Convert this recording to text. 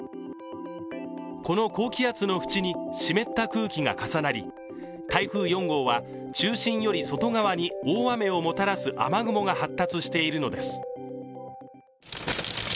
この高気圧の縁に湿った空気が重なり、台風４号は、中心より外側に大雨をもたらす雨雲が発達しているのです。